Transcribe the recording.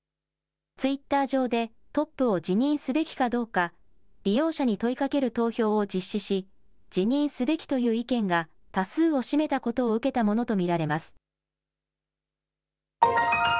ツイッター上でトップを辞任すべきかどうか利用者に問いかける投票を実施し辞任すべきという意見が多数を占めたことを受けたものと見られます。